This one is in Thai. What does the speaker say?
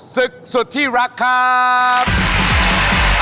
ศึกสุดที่รักครับ